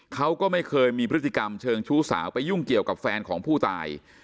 เขาก็ไม่เคยมีพฤติกรรมเชิงชู้สาวไปยุ่งเกี่ยวกับแฟนของผู้ตาย